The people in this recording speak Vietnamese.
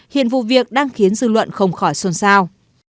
hiện vụ việc đang khiến dư luận không khỏi xôn xao